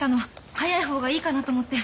早いほうがいいかなと思って。